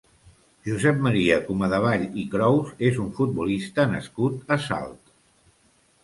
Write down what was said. Josep Maria Comadevall i Crous és un futbolista nascut a Salt.